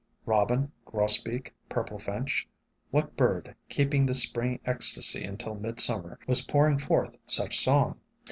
Robin, grosbeak, purple finch? What bird, keeping the spring ecstacy until midsummer, was pouring forth such song?